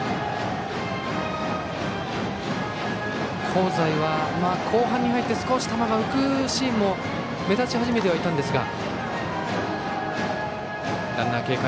香西は、後半に入って少し球が浮くシーンも目立ち始めてはいたんですが。